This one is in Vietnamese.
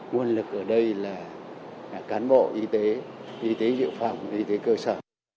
nguồn lực ở đây là cán bộ y tế y tế dự phòng y tế cơ sở